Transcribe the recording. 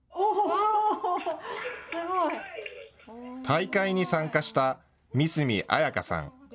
大会に参加した三角彩夏さん。